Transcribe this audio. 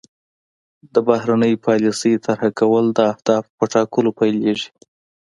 د بهرنۍ پالیسۍ طرح کول د اهدافو په ټاکلو پیلیږي